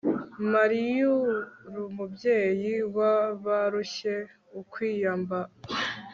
mariy'ur'umubyeyi w'abarushye ukwiyamb